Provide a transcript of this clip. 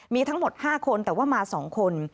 มีทั้งหมด๕คนแต่ว่ามา๒คน